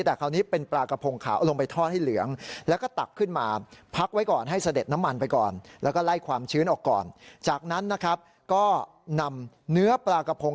แต่คราวนี้เป็นปลากระพงขาวเอาลงไปทอดให้เหลือง